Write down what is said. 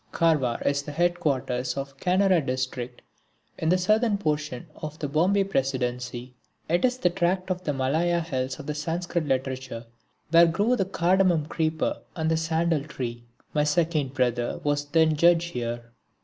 Karwar is the headquarters of the Kanara district in the Southern portion of the Bombay Presidency. It is the tract of the Malaya Hills of Sanskrit literature where grow the cardamum creeper and the Sandal Tree. My second brother was then Judge there.